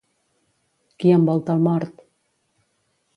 Qui envolta el mort?